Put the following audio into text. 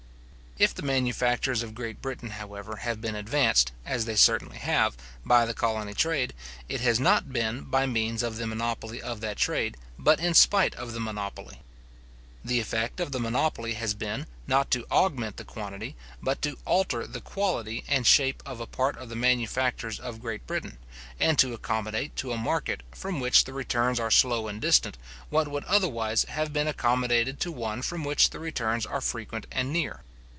If the manufactures of Great Britain, however, have been advanced, as they certainly have, by the colony trade, it has not been by means of the monopoly of that trade, but in spite of the monopoly. The effect of the monopoly has been, not to augment the quantity, but to alter the quality and shape of a part of the manufactures of Great Britain, and to accommodate to a market, from which the returns are slow and distant, what would otherwise have been accommodated to one from which the returns are frequent and near.